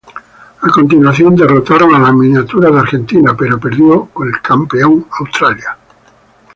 A continuación, derrotaron a los miniatura de Argentina, pero perdió con el campeón Australia.